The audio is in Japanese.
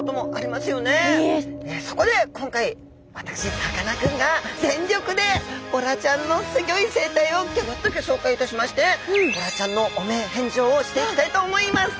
そこで今回私さかなクンが全力でボラちゃんのすギョい生態をギョギョッとギョしょうかいいたしましてボラちゃんの汚名返上をしていきたいと思います。